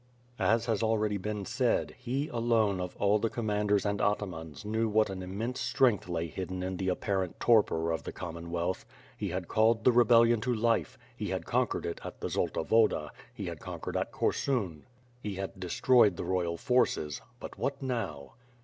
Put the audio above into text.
As has already been said, he, alone, of all the commanders and atamans knew what an immense strength lay hidden in the apparent torpor of the Commonwealth. He had called the rebellion to life; he had conquered at the Zolta Woda, he had conquered at Korsun, he had destroyed the royal forces; but what now?